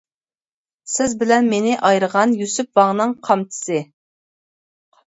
سىز بىلەن مېنى ئايرىغان، يۈسۈپ ۋاڭنىڭ قامچىسى.